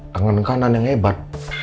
tangan kanan yang hebat